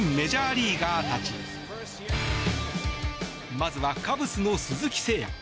まずはカブスの鈴木誠也。